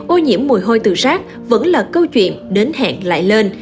ô nhiễm mùi hôi từ rác vẫn là câu chuyện đến hẹn lại lên